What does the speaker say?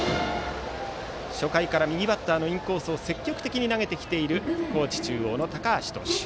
初回から右バッターのインコースを積極的に投げている高知中央の高橋投手。